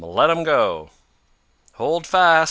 Let 'em go!" "Hold fast!"